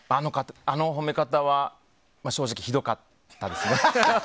あの褒め方は正直、ひどかったですね。